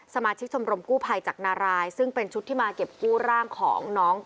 สมาชิกชมรมกู้ภัยจากนารายซึ่งเป็นชุดที่มาเก็บกู้ร่างของน้อง